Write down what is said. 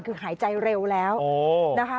คือหายใจเร็วแล้วนะคะ